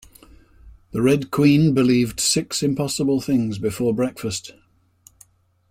The Red Queen believed six impossible things before breakfast